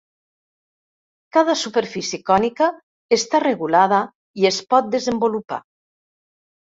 Cada superfície cònica està regulada i es pot desenvolupar.